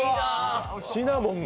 シナモンが。